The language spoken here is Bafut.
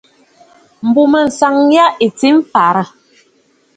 M̀bùmânsaŋ yâ ɨ̀ kwo mfəərə.